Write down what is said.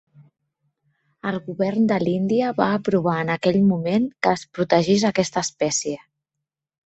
El govern de l'Índia va aprovar en aquell moment que es protegís aquesta espècie.